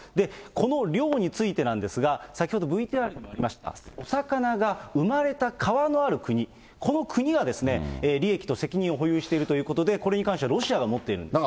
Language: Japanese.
この漁についてなんですが、先ほどＶＴＲにもありました、お魚が生まれた川のある国、この国は利益と責任を保有しているということで、これに関してはロシアが持っているんです。